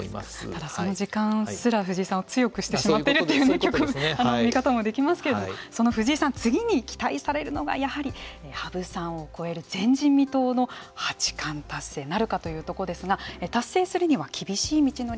ただその時間すら藤井さんを強くしてしまっているという見方もできますけれどもその藤井さん次に期待されるのがやはり羽生さんを超える前人未到の八冠達成なるかというとこですが達成するには厳しい道のりがあります。